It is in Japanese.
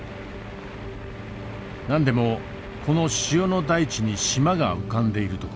何でもこの塩の大地に島が浮かんでいるとか。